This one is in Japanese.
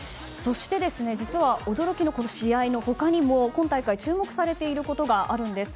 実は、驚きの試合の他にも今大会注目されていることがあるんです。